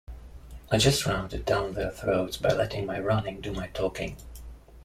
I just rammed it down their throats by letting my running do my talking.